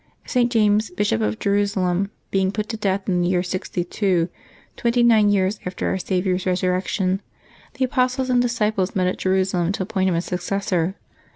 St. James, Bishop of Jerusalem, being put to death in the year 62, twenty nine years after Our Saviour's Resurrection, the apostles and disciples met at Jerusalem to appoint him a successor.